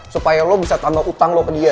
supaya lo bisa tambah utang lo ke dia